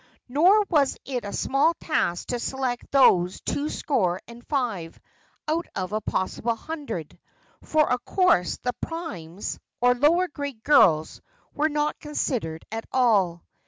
Nor was it a small task to select those two score and five out of a possible hundred for, of course, the "primes," or lower grade girls, were not considered at all.